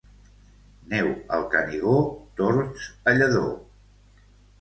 Neu al Canigó, tords a Lledó.